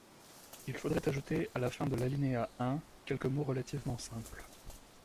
Il faudrait ajouter à la fin de l’alinéa un quelques mots relativement simples.